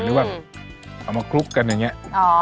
หรือว่าเอามาคลุกกันอย่างนี้